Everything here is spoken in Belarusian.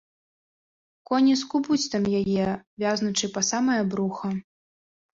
Коні скубуць там яе, вязнучы па самае бруха.